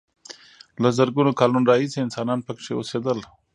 له زرګونو کالونو راهیسې انسانان پکې اوسېدل.